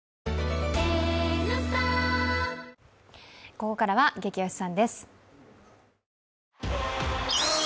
ここからはゲキ推しさんです。